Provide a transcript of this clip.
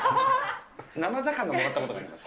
生魚もらったことがあります。